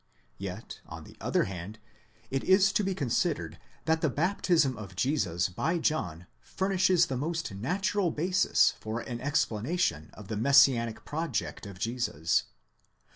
Yet, on the other hand, it is to be considered that the baptism of Jesus by John furnishes the most natural basis for an explanation of the messianic project of Jesus.